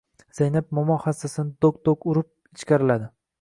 Zaynab momo hassasini do‘q-do‘q urib ichkariladi.